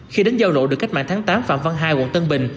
khi đến giao lộ được cách mạng tháng tám phạm văn hai quận tân bình